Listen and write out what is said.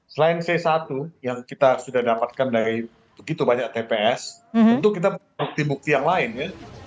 selain c satu yang kita sudah dapatkan dari begitu banyak tps tentu kita bukti bukti yang lain ya